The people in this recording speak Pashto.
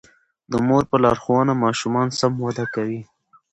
د مور په لارښوونه ماشومان سم وده کوي.